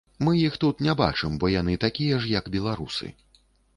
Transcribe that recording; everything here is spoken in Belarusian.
Мы іх тут не бачым, бо яны такія ж як беларусы.